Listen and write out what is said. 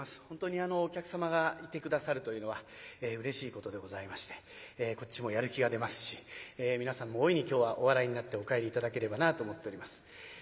本当にお客様がいて下さるというのはうれしいことでございましてこっちもやる気が出ますし皆さんも大いに今日はお笑いになってお帰り頂ければなぁと思っております。